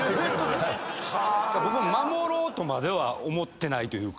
僕守ろうとまでは思ってないというか。